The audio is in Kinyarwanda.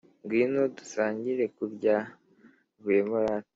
ngwino dusangire kubya vuyemo rata